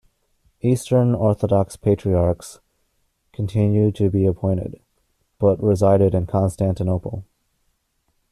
Eastern Orthodox Patriarchs continued to be appointed, but resided in Constantinople.